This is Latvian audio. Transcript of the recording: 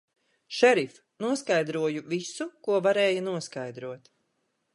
Šerif, noskaidroju visu, ko varēja noskaidrot.